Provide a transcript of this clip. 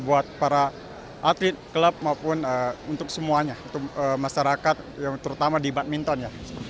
buat para atlet klub maupun untuk semuanya untuk masyarakat terutama di badminton